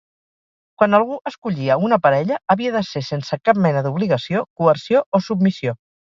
Quan algú escollia una parella havia de ser sense cap mena d'obligació, coerció o submissió.